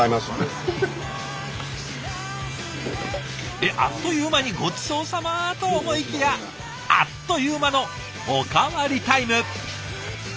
えっあっという間にごちそうさま？と思いきやあっという間のおかわりタイム。